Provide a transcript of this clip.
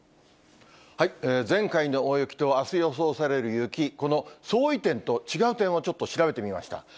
前回の大雪とあす予想される雪、この相違点と、違う点をちょっと調べてみました。